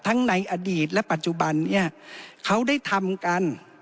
ในอดีตและปัจจุบันเนี่ยเขาได้ทำกัน